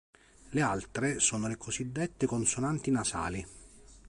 Le altre sono le cosiddette consonanti nasali.